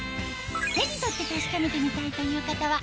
手に取って確かめてみたいという方は